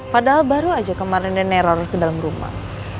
padahal baru aja kemarin dia neror ke dalam rumah